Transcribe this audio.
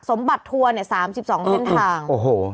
สมบัติตัวเเนี่ย๓๒เส้นทาง